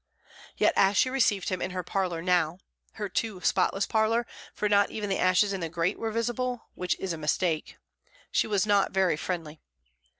Yet as she received him in her parlor now her too spotless parlor, for not even the ashes in the grate were visible, which is a mistake she was not very friendly.